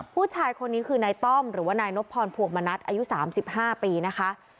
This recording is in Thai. ผู้ชายคนนี้คือนายต้อมหรือว่านายนบพรพวงมณัฐอายุ๓๕ปีนะคะ